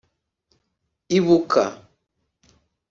Ibuka